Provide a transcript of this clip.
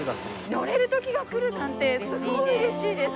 乗れる時が来るなんてすごい嬉しいです。